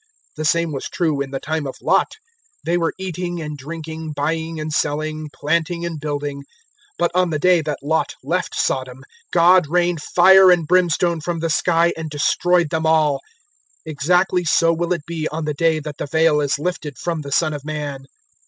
017:028 The same was true in the time of Lot: they were eating and drinking, buying and selling, planting and building; 017:029 but on the day that Lot left Sodom, God rained fire and brimstone from the sky and destroyed them all. 017:030 Exactly so will it be on the day that the veil is lifted from the Son of Man.